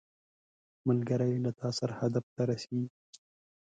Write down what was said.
ملګری له تا سره هدف ته رسیږي